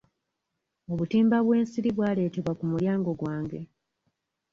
Obutimba bw'ensiri bwaletebwa ku mulyango gwange.